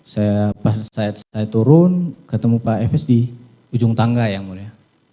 saya pas saya turun ketemu pak efes di ujung tangga yang mulia